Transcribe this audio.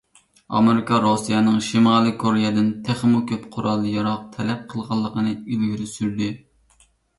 ئامېرىكا رۇسىيەنىڭ شىمالىي كورېيەدىن تېخىمۇ كۆپ قورال-ياراغ تەلەپ قىلغانلىقىنى ئىلگىرى سۈردى.